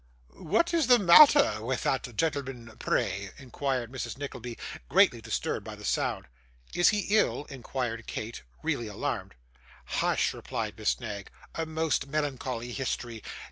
'What is the matter with that gentleman, pray?' inquired Mrs. Nickleby, greatly disturbed by the sound. 'Is he ill?' inquired Kate, really alarmed. 'Hush!' replied Miss Knag; 'a most melancholy history.